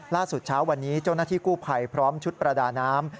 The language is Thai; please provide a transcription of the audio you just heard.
เช้าวันนี้เจ้าหน้าที่กู้ภัยพร้อมชุดประดาน้ำ